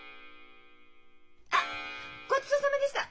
あっごちそうさまでした。